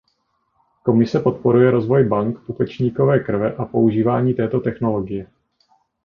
Komise podporuje rozvoj bank pupečníkové krve a používání této technologie.